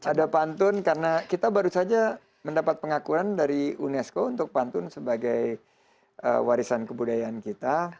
ada pantun karena kita baru saja mendapat pengakuan dari unesco untuk pantun sebagai warisan kebudayaan kita